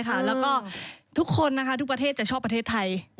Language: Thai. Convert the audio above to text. เราก็ทุกคนนะคะทุกประเทศจะชอบประเทศไทย